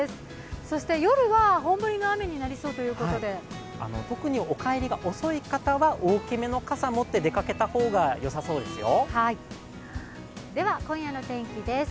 そして夜は本降りの雨になりそうということで特にお帰りが遅い方は大きめの傘を持って出かけた方がよさそうですよ。